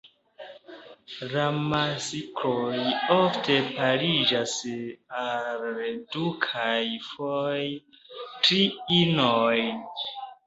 La maskloj ofte pariĝas al du kaj foje tri inoj.